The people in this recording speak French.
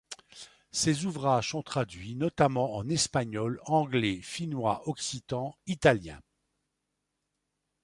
Ses ouvrages sont traduits, notamment en espagnol, anglais, finnois, occitan, italien.